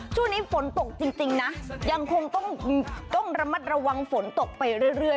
ช่วงนี้ฝนตกจริงนะยังคงต้องระมัดระวังฝนตกไปเรื่อย